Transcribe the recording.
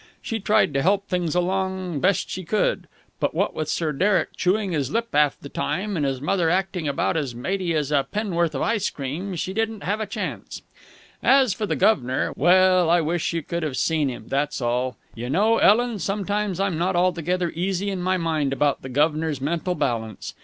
She tried to help things along best she could. But what with Sir Derek chewing his lip 'alf the time and his mother acting about as matey as a pennorth of ice cream, she didn't have a chance. As for the guv'nor well, I wish you could have seen him, that's all. You know, Ellen, sometimes I'm not altogether easy in my mind about the guv'nor's mental balance.